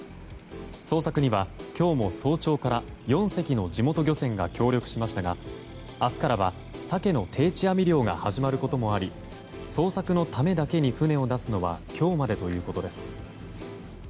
捜索には、今日も早朝から４隻の地元漁船が協力しましたが明日からはサケの定置網漁が始まることもあり捜索のためだけに船を出すのは今日までということです。